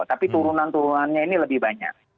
tapi turunan turunannya ini lebih banyak